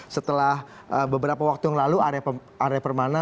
setelah beberapa waktu yang lalu area permana